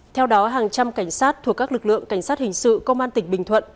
theo đó hàng trăm cảnh sát thuộc các lực lượng cảnh sát hình sự công an tỉnh bình thuận